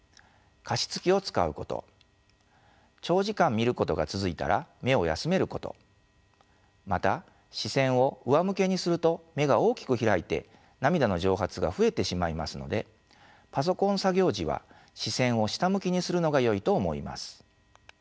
加湿器を使うこと長時間見ることが続いたら目を休めることまた視線を上向けにすると目が大きく開いて涙の蒸発が増えてしまいますのでパソコン作業時は視線を下向きにするのがよいと思います。